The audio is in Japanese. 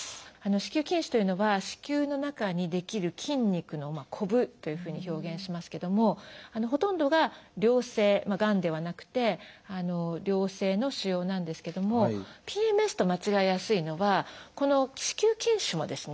子宮筋腫というのは子宮の中に出来る筋肉のこぶというふうに表現しますけどもほとんどが良性がんではなくて良性の腫瘍なんですけどもＰＭＳと間違えやすいのはこの子宮筋腫もですね